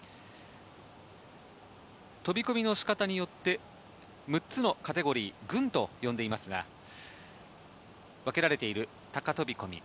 飛込の仕方によって、６つのカテゴリー、群と呼んでいますが、わけれている高飛込。